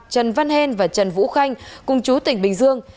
trần văn hên và trần vũ khanh cùng chú tỉnh bình dương